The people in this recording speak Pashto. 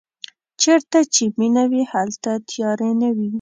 چېرته چې مینه وي هلته تیارې نه وي.